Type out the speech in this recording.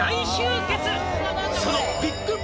「その」